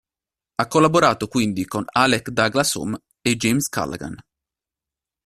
Ha collaborato quindi con Alec Douglas-Home e James Callaghan.